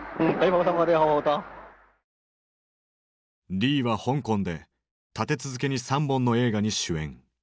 リーは香港で立て続けに３本の映画に主演。